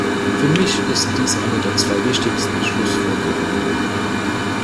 Für mich ist dies eine der zwei wichtigsten Schlussfolgerungen.